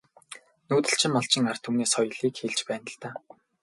Нүүдэлчин малчин ард түмний соёлыг хэлж байна л даа.